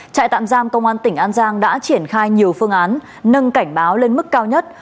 trại tạm giam công an tỉnh an giang đã triển khai nhiều phương án nâng cảnh báo lên mức cao nhất